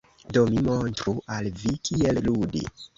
Do mi montru al vi kiel ludi.